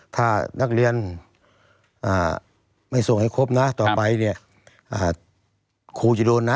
ถ้านักเรียนไม่ส่งให้ครบต่อไปครูจะโดนน่ะ